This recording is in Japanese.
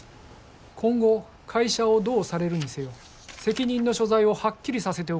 今後会社をどうされるにせよ責任の所在をはっきりさせておく必要があります。